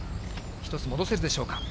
１つ戻せるでしょうか。